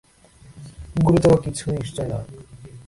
গুরুতর কিছু নিশ্চয় নয়।